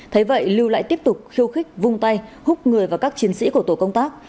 thế vậy lưu lại tiếp tục khiêu khích vung tay hút người và các chiến sĩ của tổ công tác